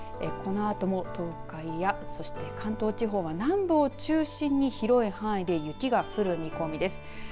このあとも東海やそして関東地方は南部を中心に広い範囲で雪が降る見込みです。